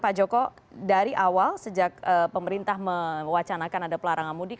pak joko dari awal sejak pemerintah mewacanakan ada pelarangan mudik